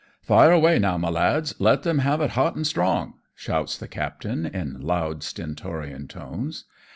" Fire away, now, my lads, let them have it hot and strong," shouts the captain in loud stentorian tones.